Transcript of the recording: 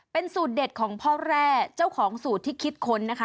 เป็นสูตรเด็ดของพ่อแร่เจ้าของสูตรที่คิดค้นนะคะ